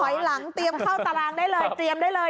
หลังเตรียมเข้าตารางได้เลยเตรียมได้เลย